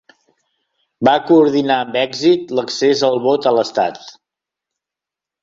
Va coordinar amb èxit l'accés al vot a l'estat.